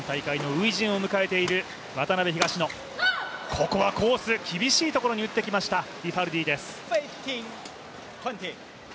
ここはコース、厳しいところに打ってきましたリファルディです。